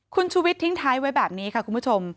คุณชูวิทย์ทิ้งท้ายไว้แบบนี้ค่ะคุณผู้ชม